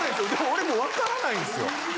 俺もわからないんですよ。